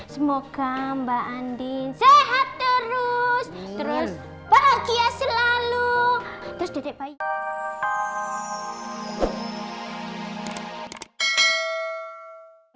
semoga mbak andin sehat terus terus bahagia selalu terus titik baik